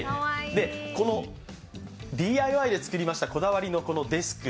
で、このＤＩＹで作りましたこだわりのデスク。